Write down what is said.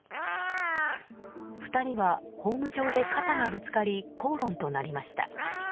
２人はホーム上で肩がぶつかり口論となりました。